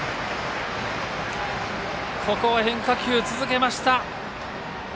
ここは変化球を続けました。